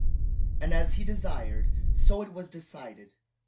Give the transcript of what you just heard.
And as he desired, so it was decided.